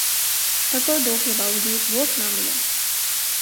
تگ و دو کے باوجود ووٹ نہ ملے